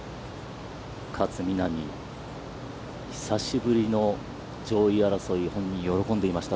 勝みなみ、久しぶりの上位争い、本人は喜んでいました。